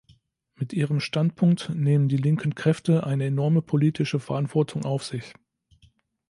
Mit ihrem Standpunkt nehmen die linken Kräfte eine enorme politische Verantwortung auf sich.